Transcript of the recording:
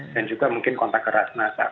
dan juga mungkin kontak keras